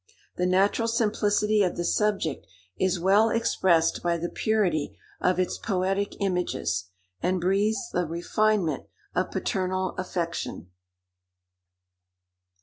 The natural simplicity of the subject is well expressed by the purity of its poetic images, and breathes the refinement of paternal affection.